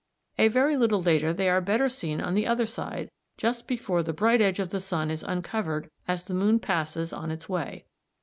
A very little later they are better seen on the other side just before the bright edge of the sun is uncovered as the moon passes on its way.